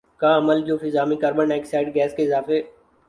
کا عمل جو فضا میں کاربن ڈائی آکسائیڈ گیس کے اضافے